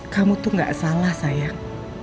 kamu tuh gak salah sayang